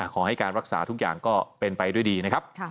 ขอให้การรักษาทุกอย่างก็เป็นไปด้วยดีนะครับ